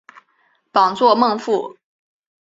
榜作孟富。